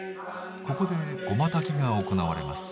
ここで護摩焚きが行われます。